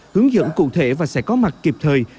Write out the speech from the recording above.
hướng dẫn cụ thể và sẽ có mặt kịp thời